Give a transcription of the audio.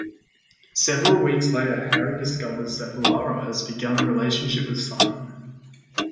Several weeks later, Harry discovers that Lara has begun a relationship with Simon.